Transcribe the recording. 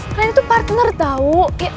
kalian itu partner tau